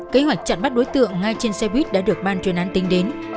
kế hoạch chặn bắt đối tượng ngay trên xe buýt đã được ban chuyên án tính đến